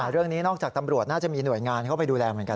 นอกจากตำรวจน่าจะมีหน่วยงานเข้าไปดูแลเหมือนกัน